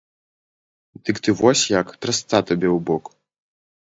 Дык ты вось як, трасца табе ў бок!